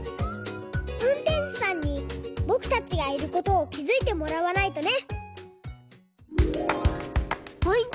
うんてんしゅさんにぼくたちがいることをきづいてもらわないとね！